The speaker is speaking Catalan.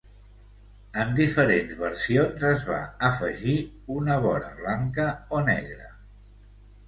En diferents versions es va afegir una vora blanca o negra.